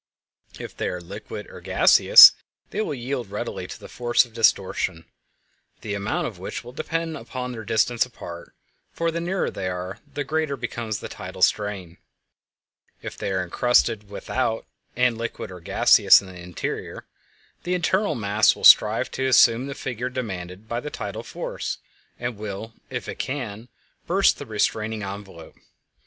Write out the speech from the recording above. If they are liquid or gaseous they will yield readily to the force of distortion, the amount of which will depend upon their distance apart, for the nearer they are the greater becomes the tidal strain. If they are encrusted without and liquid or gaseous in the interior, the internal mass will strive to assume the figure demanded by the tidal force, and will, if it can, burst the restraining envelope.